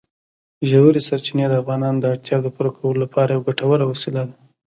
ژورې سرچینې د افغانانو د اړتیاوو د پوره کولو لپاره یوه ګټوره وسیله ده.